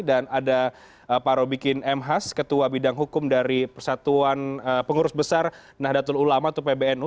dan ada pak robikin m hass ketua bidang hukum dari persatuan pengurus besar nahdlatul ulama atau pbnu